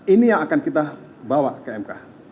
ini yang akan kita bawa ke mk